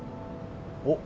おっ？